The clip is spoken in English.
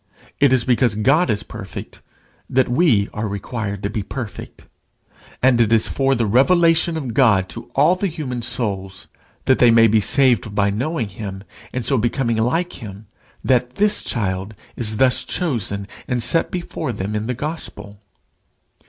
It is because God is perfect that we are required to be perfect. And it is for the revelation of God to all the human souls, that they may be saved by knowing him, and so becoming like him, that this child is thus chosen and set before them in the gospel.